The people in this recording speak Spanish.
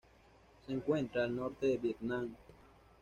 Se encuentra al norte del Vietnam.